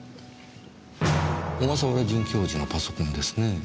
小笠原准教授のパソコンですねぇ。